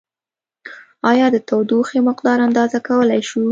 ایا د تودوخې مقدار اندازه کولای شو؟